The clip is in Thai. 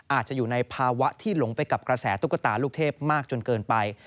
อาจจะอยู่ในภาวะที่หลงไปกับกระแสตุ๊กตาลูกเทพมากจนเกินไป